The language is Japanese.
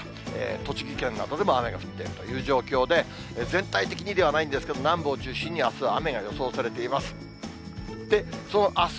栃木県などでも雨が降っているという状況で、全体的にではないんですが、南部を中心にあすは雨が予想されています。